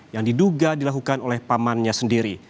yang diduga dilakukan oleh pamannya sendiri